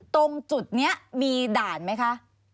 ตรงจุดนี้มีด่านไหมคะ